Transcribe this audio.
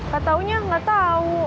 katau nya gak tau